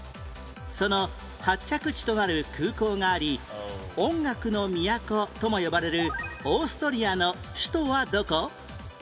その発着地となる空港があり音楽の都とも呼ばれるオーストリアの首都はどこ？